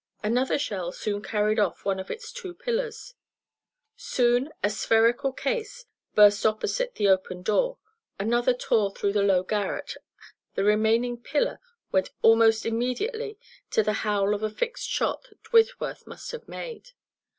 Another shell soon carried off one of its two pillars. Soon a spherical case burst opposite the open door, another tore through the low garret, the remaining pillar went almost immediately to the howl of a fixed shot that Whitworth must have made.